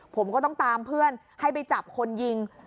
ผมก็ต้องตามเพื่อนให้ไปจับคนยิง